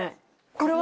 これは？